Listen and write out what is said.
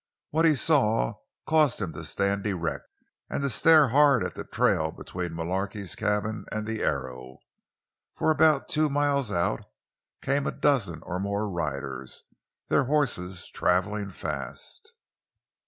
What he saw caused him to stand erect and stare hard at the trail between Mullarky's cabin and the Arrow—for about two miles out came a dozen or more riders, their horses traveling fast.